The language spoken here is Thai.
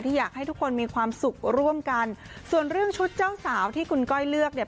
อยากให้ทุกคนมีความสุขร่วมกันส่วนเรื่องชุดเจ้าสาวที่คุณก้อยเลือกเนี่ย